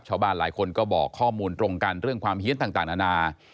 ชาวบ้านหลายคนก็บอกข้อมูลตรงกันเรื่องความเฮียนต่างนานา